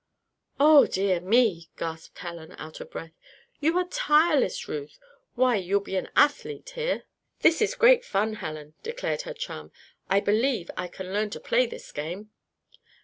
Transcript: "Oh, dear me!" gasped Helen, out of breath. "You are tireless, Ruth. Why, you'll be an athlete here." "This is great fun, Helen," declared her chum, "I believe I can learn to play this game."